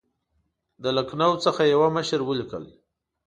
د لکنهو څخه یوه مشر ولیکل.